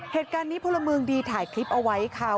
เหตุการณ์นี้พลเมืองดีถ่ายคลิปเอาไว้ค่ะ